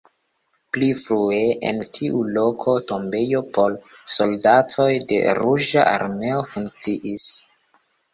Pli frue en tiu loko tombejo por soldatoj de Ruĝa Armeo funkciis.